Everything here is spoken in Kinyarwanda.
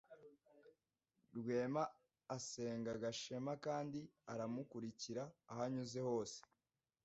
Rwema asenga Gashema kandi aramukurikira aho anyuze hose.